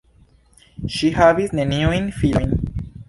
Ŝi havis neniujn filojn.